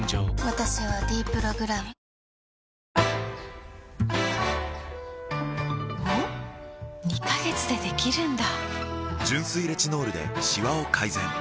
私は「ｄプログラム」おっ？２カ月でできるんだ！